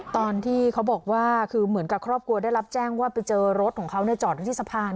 ตอนที่เขาบอกว่าคือเหมือนกับครอบครัวได้รับแจ้งว่าไปเจอรถของเขาจอดอยู่ที่สะพาน